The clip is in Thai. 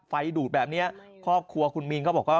ไฟดูดแบบนี้ครอบครัวคุณมีนเขาบอกว่า